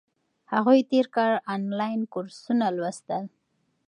هغوی تیر کال انلاین کورسونه لوستل.